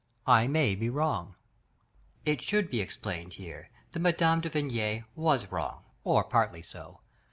I may be wrong." It should be explained here that Mme. de Vigny was wrong — or partly so.